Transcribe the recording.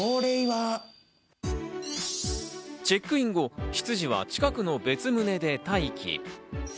チェックイン後、執事は近くの別棟で待機。